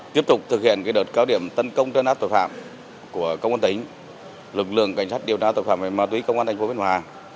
tiếp tục thực hiện đợt cao điểm tấn công trân áp tội phạm của công an tỉnh lực lượng cảnh sát điều tra tội phạm về ma túy công an thành phố biên hòa